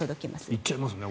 行っちゃいますね。